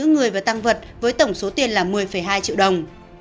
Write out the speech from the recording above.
người và tăng vật với tổng số tiền là một mươi hai triệu đồng